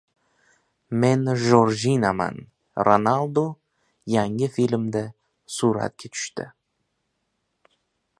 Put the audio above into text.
"Men Jorjinaman": Ronaldu yangi filmda suratga tushdi